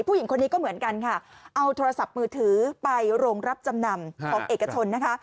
ผู้หญิงคนนี้ก็เหมือนกันค่ะเอาโทรศัพท์มือถือไปโรงรับจำนำของเอกชนนะคะ